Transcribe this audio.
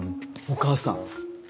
お母さん。